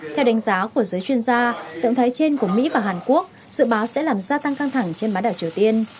theo đánh giá của giới chuyên gia động thái trên của mỹ và hàn quốc dự báo sẽ làm gia tăng căng thẳng trên bán đảo triều tiên